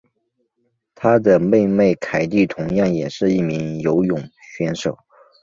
她的妹妹凯蒂同样也是一名游泳选手。